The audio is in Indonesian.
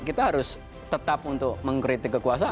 kita harus tetap untuk mengkritik kekuasaan